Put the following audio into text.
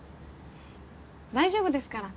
大丈夫ですから。